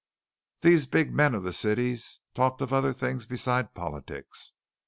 These big men of the city talked of other things besides politics.